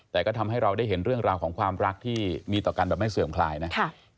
แต่ก็ทำให้เราได้เห็นเรื่องราวของความรักที่มีต่อกันแบบไม่เสื่อมคลายนะ